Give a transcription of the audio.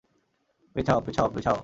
পেছাও, পেছাও, পেছাও!